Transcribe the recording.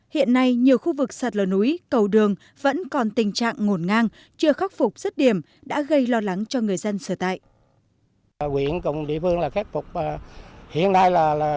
hiện nay nhiều khu vực sạt lở núi cầu đường vẫn còn tình trạng ngổn ngang chưa khắc phục rất điểm đã gây lo lắng cho người dân sở tại